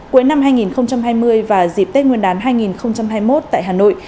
cuối năm hai nghìn hai mươi và dịp tết nguyên đán hai nghìn hai mươi một tại hà nội